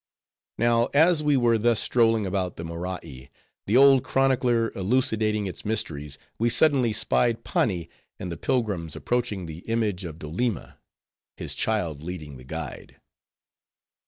Now, as we were thus strolling about the Morai, the old chronicler elucidating its mysteries, we suddenly spied Pani and the pilgrims approaching the image of Doleema; his child leading the guide.